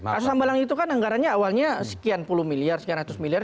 kasus sambalang itu kan anggarannya awalnya sekian puluh miliar sekian ratus miliar